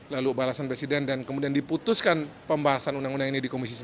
lalu balasan presiden dan kemudian diputuskan pembahasan undang undang ini di komisi satu